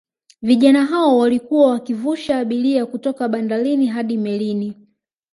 Vijana hao walikuwa wakivusha abiria kutoka bandarini hadi melini